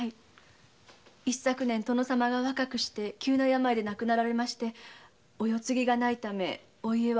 一昨年殿様が若くして急な病で亡くなられましてお世継ぎがないためお家はお取りつぶしに。